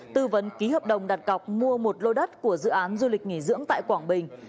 tư vấn ký hợp đồng đặt cọc mua một lô đất của dự án du lịch nghỉ dưỡng tại quảng bình